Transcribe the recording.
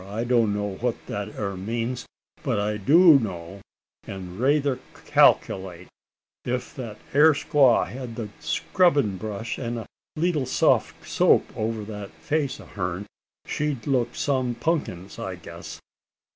I don' know, what that ere means; but I do know, an' rayther calculate, if that ere squaw had the scrubbin' brush an' a leetle soft soap over that face o' hern, she'd look some punkins, I guess."